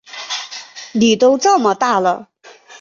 妳都这么大了